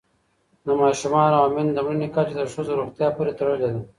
د ماشومانو او میندو د مړینې کچه د ښځو روغتیا پورې تړلې ده.